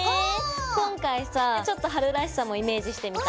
今回さちょっと春らしさもイメージしてみた。